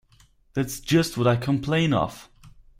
That’s just what I complain of!